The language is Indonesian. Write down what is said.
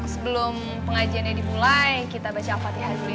sebelum pengajiannya dimulai kita baca al fatihah dulu ya